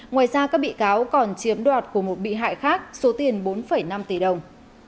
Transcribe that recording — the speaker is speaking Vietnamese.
ngoài ra các bị cáo còn chiếm đoạt của một bị hại khác số tiền bốn năm tỷ đồng